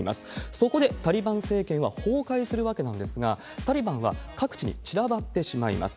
そこでタリバン政権は崩壊するわけなんですが、タリバンは各地に散らばってしまいます。